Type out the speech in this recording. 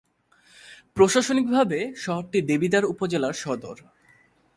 প্রশাসনিকভাবে শহরটি দেবিদ্বার উপজেলার সদর।